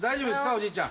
おじいちゃん。